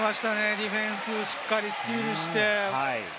ディフェンス、しっかりスティールして。